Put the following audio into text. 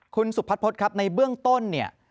คุณสุบพัดพจนิติศัตริย์ครับในเบื้องต้นเนี่ย